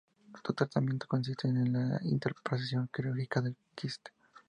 Su tratamiento consiste en la extirpación quirúrgica del quiste.